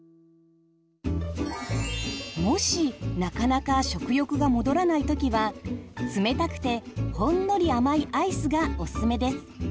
もしなかなか食欲が戻らないときは冷たくてほんのり甘いアイスがオススメです。